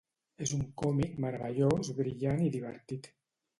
És un còmic meravellós, brillant i divertit.